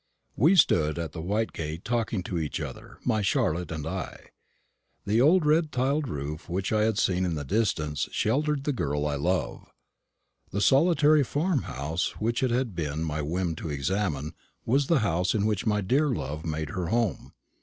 We stood at the white gate talking to each other, my Charlotte and I. The old red tiled roof which I had seen in the distance sheltered the girl I love. The solitary farm house which it had been my whim to examine was the house in which my dear love made her home.